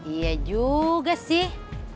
iya juga sih